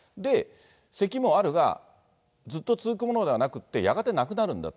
せきもあるが、ずっと続くものではなくて、やがてなくなるんだと。